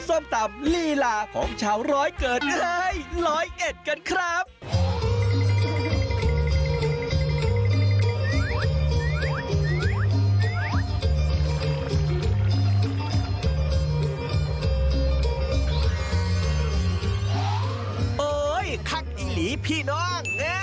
โอ๊ยคักอีหลีพี่น้อง